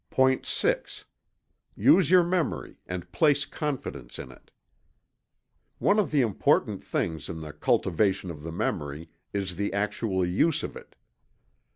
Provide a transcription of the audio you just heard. POINT VI. Use your memory and place confidence in it. One of the important things in the cultivation of the memory is the actual use of it.